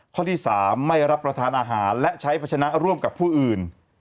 ข้อที่๓ไม่รับประทานอาหารและใช้พัชนะร่วมกับผู้อื่น